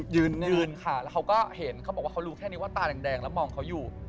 ยืนค่ะแล้วเขาก็เห็นเขาบอกว่าเขารู้แค่นี้ว่าตาแดงแล้วมองเขาอยู่